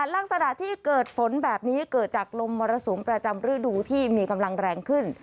ลักษณะที่เกิดฝนแบบนี้เกิดจากลมมรสุมประจำฤดูที่มีกำลังแรงขึ้น